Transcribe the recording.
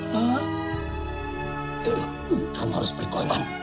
tidak kamu harus berkorban